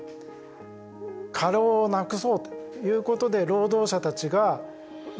過労をなくそうということで労働者たちが運動を始めました。